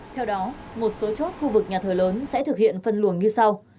theo đó một số chốt khu vực nhà thờ lớn sẽ thực hiện phân luồng như sau